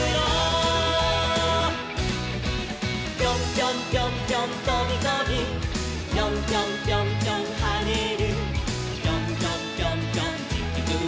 「ぴょんぴょんぴょんぴょんとびとび」「ぴょんぴょんぴょんぴょんはねる」「ぴょんぴょんぴょんぴょんちきゅうを」